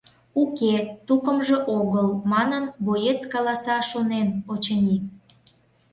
«Уке, тукымжо огыл» манын, боец каласа шонен, очыни.